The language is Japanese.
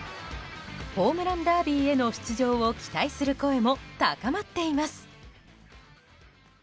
ホームランダービーへの出場を期待する声も高まっています。